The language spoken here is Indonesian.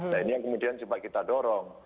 nah ini yang kemudian coba kita dorong